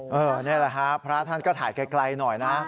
นี่แหละฮะพระท่านก็ถ่ายไกลหน่อยนะ